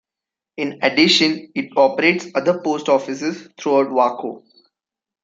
In addition, it operates other post offices throughout Waco.